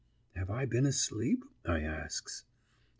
"Have I been asleep?" I asks.